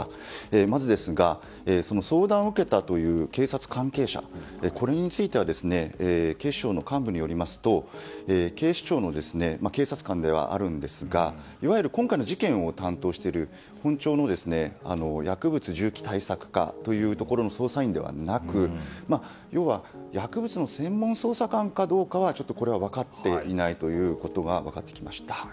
まずですが、相談を受けたという警察関係者については警視庁の幹部によりますと警視庁の警察官ではあるんですがいわゆる今回の事件を担当している本庁の薬物銃器対策課というところの捜査員ではなく要は薬物の専門捜査官かどうかは分かっていないということが分かってきました。